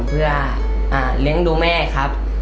เพื่อเลี้ยงดูแม่ครับ